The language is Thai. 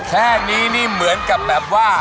แค่นี้นี่เหมือนกับแบบว่า